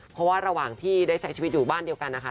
เพราะว่าระหว่างที่ได้ใช้ชีวิตอยู่บ้านเดียวกันนะคะ